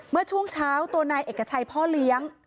เมื่อช่วงเช้าตัวนายเอกชัยพ่อเลี้ยง